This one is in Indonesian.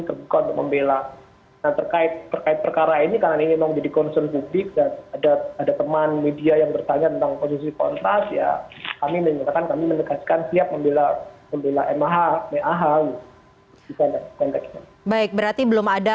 saya sangat berharap polisi lebih hati hati